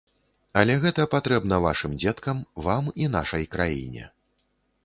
Але гэта патрэбна вашым дзеткам, вам і нашай краіне.